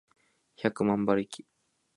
百万馬力